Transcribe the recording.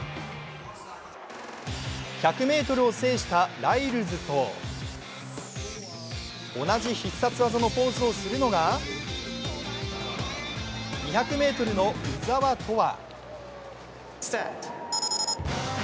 １００ｍを制したライルズと同じ必殺技のポーズをするのが２００ｍの鵜澤飛羽。